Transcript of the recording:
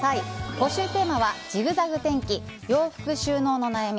募集テーマは、ジグザグ天気衣類、収納の悩み。